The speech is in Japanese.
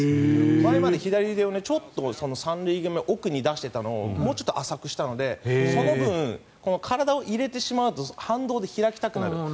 前までは左腕をちょっと奥に出していたのをもうちょっと浅くしたのでその分、体を入れてしまうと反動で開きたくなるんです。